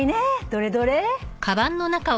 どれどれ？